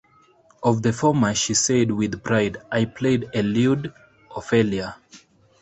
Of the former, she said, with pride, "I played a "lewd" Ophelia!